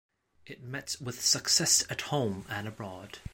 It met with success at home and abroad.